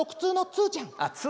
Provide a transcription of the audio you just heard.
ツーちゃん。